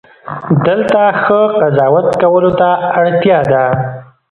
دلته ښه قضاوت کولو ته اړتیا ده.